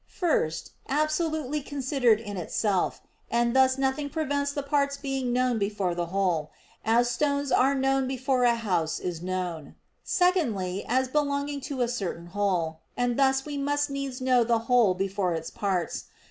First, absolutely considered in itself; and thus nothing prevents the parts being known before the whole, as stones are known before a house is known. Secondly as belonging to a certain whole; and thus we must needs know the whole before its parts.